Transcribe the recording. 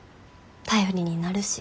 頼りになるし。